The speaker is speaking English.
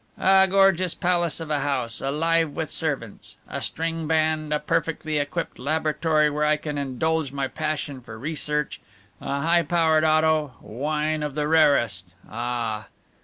"A gorgeous palace of a house, alive with servants. A string band, a perfectly equipped laboratory where I can indulge my passion for research, a high powered auto, wine of the rarest ah!"